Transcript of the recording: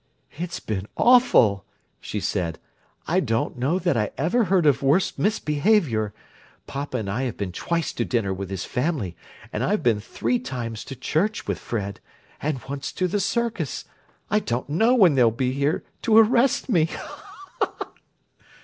"It's been awful!" she said. "I don't know that I ever heard of worse misbehaviour! Papa and I have been twice to dinner with his family, and I've been three times to church with Fred—and once to the circus! I don't know when they'll be here to arrest me!"